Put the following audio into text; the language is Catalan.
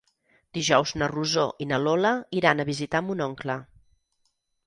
Dijous na Rosó i na Lola iran a visitar mon oncle.